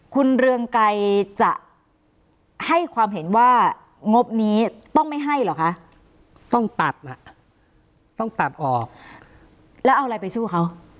คุณเรืองไกรจะให้ความเห็นว่างบนี้ต้องไม่ให้เหรอคะต้องตัดอ่ะต้องตัดออกแล้วเอาอะไรไปสู้เขา